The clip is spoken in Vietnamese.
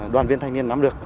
đoàn viên thanh niên nắm được